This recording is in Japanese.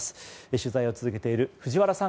取材を続けている藤原さん